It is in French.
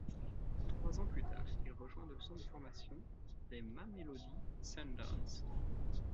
Trois ans plus tard, il rejoint le centre de formation des Mamelodi Sundowns.